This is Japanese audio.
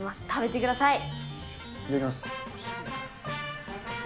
いただきます。